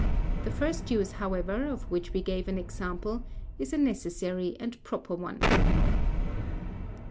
The first use, however, of which we gave an example, is a necessary and proper one.